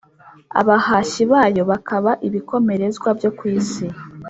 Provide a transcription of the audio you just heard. abahashyi bayo bakaba ibikomerezwa byo ku isi!